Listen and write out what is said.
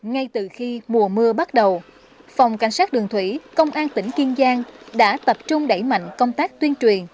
ngay từ khi mùa mưa bắt đầu phòng cảnh sát đường thủy công an tỉnh kiên giang đã tập trung đẩy mạnh công tác tuyên truyền